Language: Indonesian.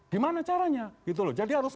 gimana caranya gitu loh jadi harus